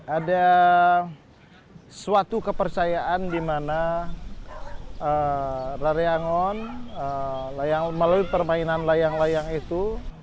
ada suatu kepercayaan dimana rari angon melalui permainan layang layang itu